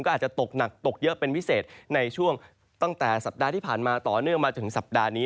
ก็อาจจะตกหนักตกเยอะเป็นพิเศษในช่วงตั้งแต่สัปดาห์ที่ผ่านมาต่อเนื่องมาจนถึงสัปดาห์นี้